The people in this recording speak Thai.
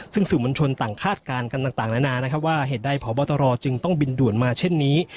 ซึ่งสื่อมวลชนต่างคาดการณ์กันต่างนานานะครับว่าเหตุใดพบตรจึงต้องบินด่วนมาเช่นนี้